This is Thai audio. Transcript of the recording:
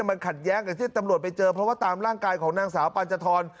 มันขัดแย้งกับที่ตำรวจไปเจอเพราะว่าตามร่างกายของนางสาวปัญจทร